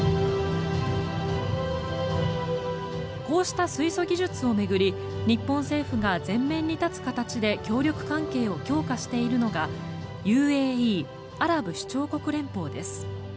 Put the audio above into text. こうした水素技術を巡り日本政府が前面に立つ形で協力関係を強化しているのがＵＡＥ・アラブ首長国連邦です。